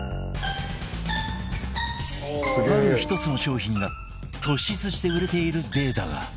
ある１つの商品が突出して売れているデータが